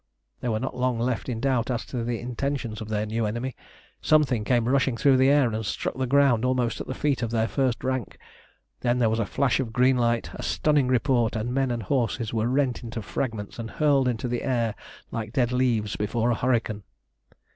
They were not long left in doubt as to the intentions of their new enemy. Something came rushing through the air and struck the ground almost at the feet of their first rank. Then there was a flash of green light, a stunning report, and men and horses were rent into fragments and hurled into the air like dead leaves before a hurricane.